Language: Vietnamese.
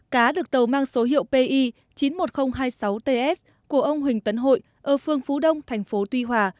cá được tàu mang số hiệu pi chín mươi một nghìn hai mươi sáu ts của ông huỳnh tấn hội ở phương phú đông thành phố tuy hòa